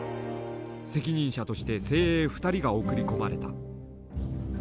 責任者として精鋭２人が送り込まれた。